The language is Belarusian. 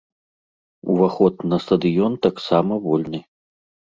Уваход на стадыён таксама вольны.